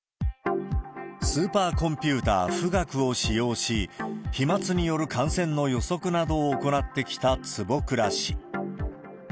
スーパーコンピューター富岳を使用し、飛まつによる感染の予測などを行ってきた坪倉氏。